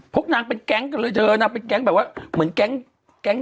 พวกนางเป็นแก๊งกันเลยเธอนางเป็นแก๊งแบบว่าเหมือนแก๊ง